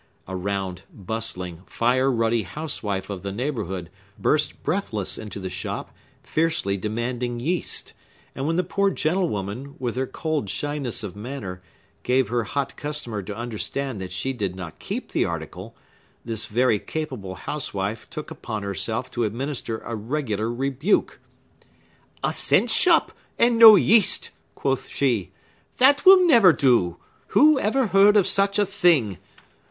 A round, bustling, fire ruddy housewife of the neighborhood burst breathless into the shop, fiercely demanding yeast; and when the poor gentlewoman, with her cold shyness of manner, gave her hot customer to understand that she did not keep the article, this very capable housewife took upon herself to administer a regular rebuke. "A cent shop, and no yeast!" quoth she; "That will never do! Who ever heard of such a thing?